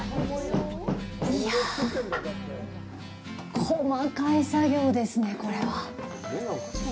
いやぁ、細かい作業ですね、これは。